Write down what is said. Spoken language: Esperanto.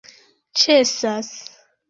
ĉesas